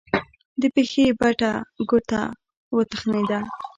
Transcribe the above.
د پښې بټه ګوته وتخنېده.